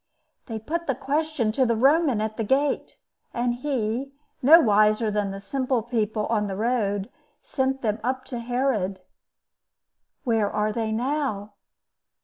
They put the question to the Roman at the gate; and he, no wiser than the simple people on the road, sent them up to Herod." "Where are they now?"